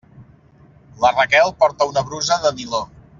La Raquel porta una brusa de niló.